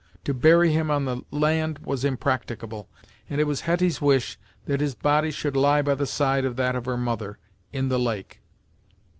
To bury him on the land was impracticable, and it was Hetty's wish that his body should lie by the side of that of her mother, in the lake.